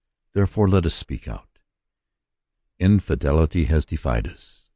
Therefore let us speak out. Infidelity has defied us?